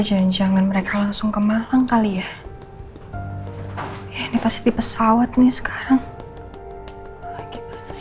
janjian mereka langsung ke malang kali ya ini pasti pesawat nih sekarang